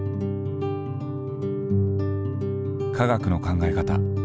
科学の考え方